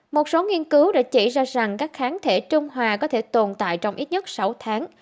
một số nghiên cứu đã chỉ ra rằng các kháng thể trung hòa có thể tồn tại trong ít nhất sáu tháng